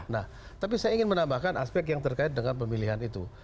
nah tapi saya ingin menambahkan aspek yang terkait dengan pemilihan itu